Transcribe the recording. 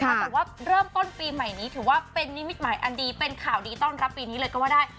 แต่ว่าเริ่มต้นปีใหม่นี้ถือว่าเป็นนิมิตหมายอันดีเป็นข่าวดีต้อนรับปีนี้เลยก็ว่าได้